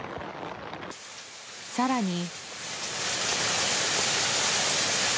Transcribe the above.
更に。